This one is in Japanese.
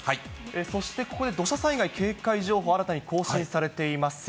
そして、ここで土砂災害警戒情報、新たに更新されています。